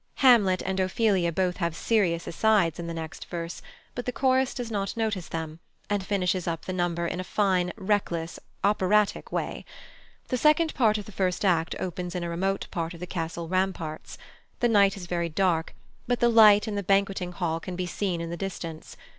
Hamlet and Ophelia both have serious asides in the next verse, but the chorus does not notice them, and finishes up the number in a fine, reckless operatic way. The second part of the first act opens in a remote part of the Castle ramparts. The night is very dark, but the light in the banqueting hall can be seen in the distance.